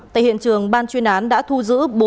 tại hiện trường ban chuyên án đã thu giữ